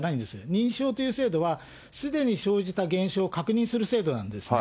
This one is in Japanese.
認証という制度はすでに生じた現象を確認する制度なんですね。